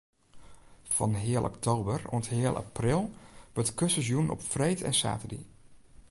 Fan heal oktober oant heal april wurdt de kursus jûn op freed en saterdei.